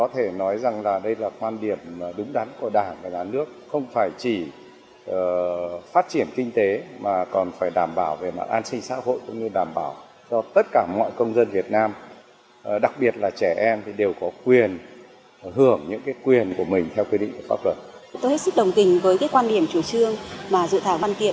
trình với quan điểm chủ trương mà dự thảo văn kiện